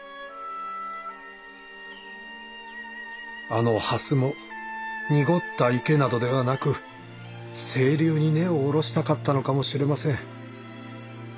あの蓮も濁った池などではなく清流に根を下ろしたかったのかもしれません。